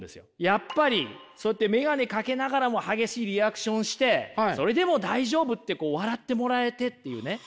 やっぱりそうやってメガネかけながらも激しいリアクションをしてそれでも大丈夫ってこう笑ってもらえてっていうね。